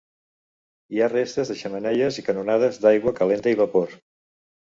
Hi ha restes de xemeneies i canonades d'aigua calenta i vapor.